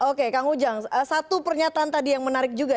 oke kang ujang satu pernyataan tadi yang menarik juga